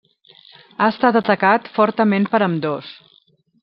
Ha estat atacat fortament per ambdós.